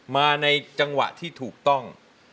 มาในจังหวะที่ถูกต้อง